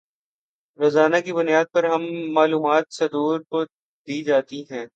روزانہ کی بنیاد پر اہم معلومات صدور کو دی جاتی تھیں